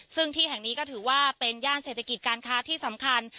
ซึ่งที่แห่งนี้ก็ถือว่าเป็นย่านเศรษฐกิจการค้าที่สำคัญ